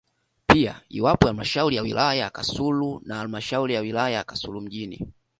pia ipo halmashauri ya wilaya ya Kasulu na halmashauri ya wilaya ya Kasulu mjini